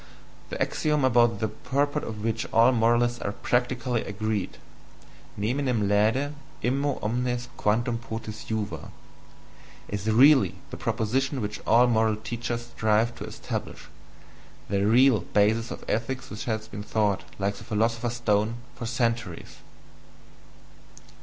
] "the axiom about the purport of which all moralists are PRACTICALLY agreed: neminem laede, immo omnes quantum potes juva is REALLY the proposition which all moral teachers strive to establish, ... the REAL basis of ethics which has been sought, like the philosopher's stone, for centuries."